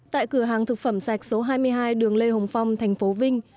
tại cửa hàng thực phẩm sạch số hai mươi hai đường lê hồng phong thành phố vinh